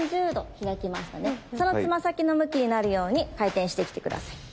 そのつま先の向きになるように回転してきて下さい。